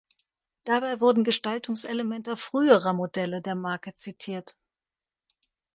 Dabei wurden Gestaltungselemente früherer Modelle der Marke zitiert.